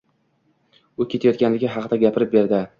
U ketayotganligi haqida gapirib berdi.